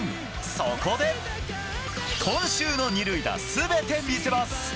そこで今週の２塁打全て見せます！